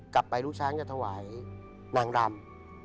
กลับไปลูกช้างจะถวายนางรำ